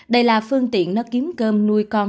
đây là phương tiện nó kiếm cơm nuôi con